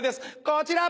こちら！